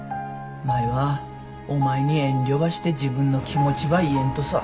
舞はお前に遠慮ばして自分の気持ちば言えんとさ。